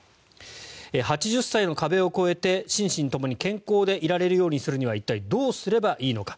８０歳の壁を越えて、心身ともに健康でいられるようにするには一体どうすればいいのか。